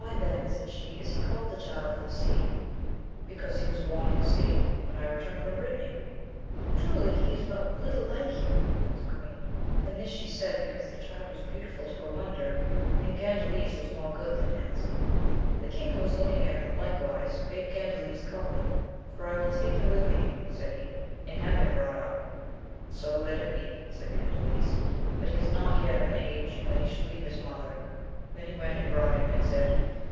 Why, then, said she, is he called the Child of the Sea ?— Because he was bom on the sea, when I returned from Brittany. Truly* he is but little like you, said the queen ; and this she said because the child was beautiful to a wonder, and Gandales was more good than handsome. The king, who was looking at him likewise, bade Gandales call him, for I will take him with me, said he, and have him brought up. So let it be, said Gandales, but he is not yet of an age that he should leave his mother : then he went and brought him, and said.